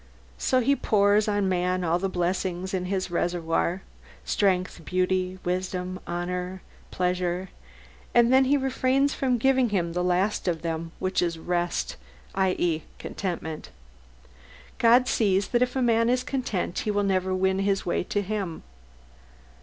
So He pours on man all the blessings in His reservoir: strength, beauty, wisdom, honour, pleasure and then He refrains from giving him the last of them, which is rest, i.e., contentment. God sees that if man is contented he will never win his way to Him.